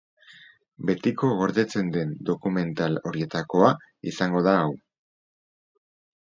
Betiko gordetzen den dokumental horietakoa izango da hau.